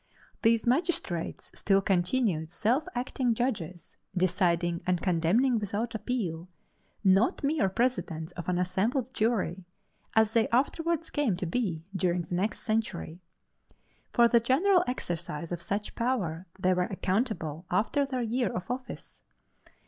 These magistrates still continued self acting judges, deciding and condemning without appeal not mere presidents of an assembled jury, as they afterward came to be during the next century. For the general exercise of such power they were accountable after their year of office.